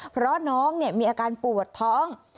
เพราะน้องมีอาการปวดท้อง